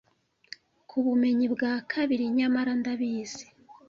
Ku bumenyi bwa kabiri. Nyamara ndabizi